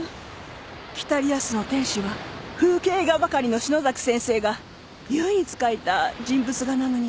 『北リアスの天使』は風景画ばかりの篠崎先生が唯一描いた人物画なのに。